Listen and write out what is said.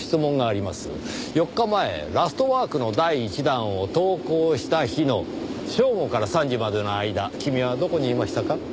４日前『ラストワーク』の第１弾を投稿した日の正午から３時までの間君はどこにいましたか？